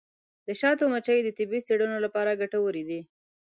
د شاتو مچۍ د طبي څیړنو لپاره ګټورې دي.